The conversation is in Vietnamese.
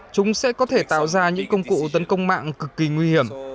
chúng sẽ có thể tạo ra những công cụ tấn công mạng cực kỳ nguy hiểm